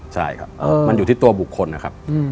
ใช่ครับมันอยู่ที่ตัวบุคคลนะครับ